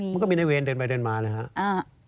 ก็ก็มีในเวรเดินไปเดินมาอ่ะถ้าไม่ค่อย